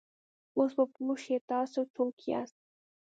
اوس به پوه شې، تاسې څوک یاست؟